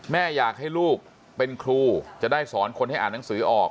แม่อยากให้ลูกเป็นครูจะได้สอนคนให้อ่านหนังสือออก